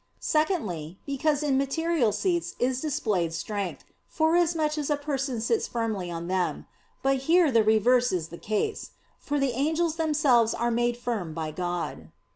Secondly, because in material seats is displayed strength, forasmuch as a person sits firmly on them. But here the reverse is the case; for the angels themselves are made firm by God.